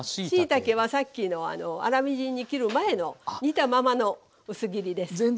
しいたけはさっきの粗みじんに切る前の煮たままの薄切りです。